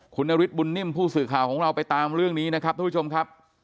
คุณนฤทธบุญนิ่มผู้สื่อข่าวของเราไปตามเรื่องนี้นะครับทุกผู้ชมครับ